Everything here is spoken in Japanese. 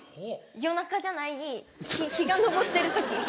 夜中じゃない日が昇ってる時。